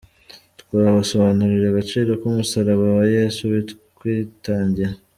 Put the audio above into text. Twasobanuriwe agaciro k’umusaraba wa Yesu watwitangiye.